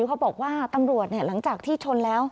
เขาบอกว่าตำรวจหลังจากที่ชนแล้ว